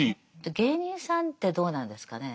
芸人さんってどうなんですかねえ。